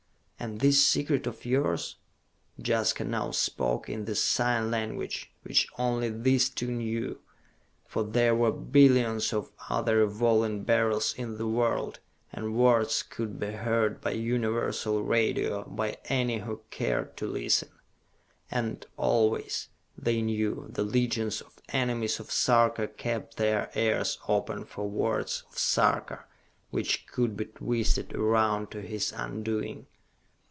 "And this secret of yours?" Jaska now spoke in the sign language which only these two knew, for there were billions of other Revolving Beryls in the world, and words could be heard by universal radio by any who cared to listen. And always, they knew, the legions of enemies of Sarka kept their ears open for words of Sarka which could be twisted around to his undoing.